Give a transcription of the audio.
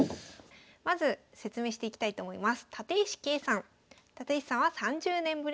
まず説明していきたいと思います。